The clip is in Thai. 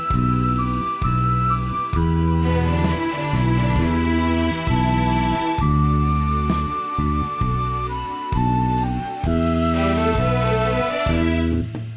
เพลงที่สองมูลค่าสองหมื่นบาท